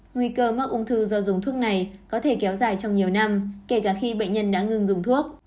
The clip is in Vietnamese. nguy cơ mắc ung thư do dùng thuốc này có thể kéo dài trong nhiều năm kể cả khi bệnh nhân đã ngưng dùng thuốc